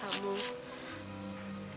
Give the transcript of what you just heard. mereka mengetahui kamu